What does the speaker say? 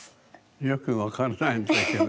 よくわからないんだけど。